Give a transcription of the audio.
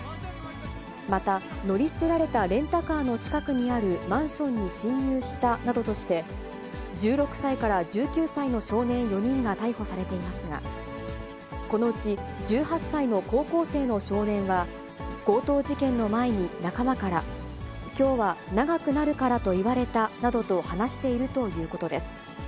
また、乗り捨てられたレンタカーの近くにあるマンションに侵入したなどとして、１６歳から１９歳の少年４人が逮捕されていますが、このうち１８歳の高校生の少年は、強盗事件の前に仲間から、きょうは長くなるからと言われたなどと話しているということです。